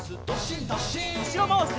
うしろまわし。